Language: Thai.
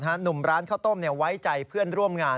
หนุ่มร้านข้าวต้มไว้ใจเพื่อนร่วมงาน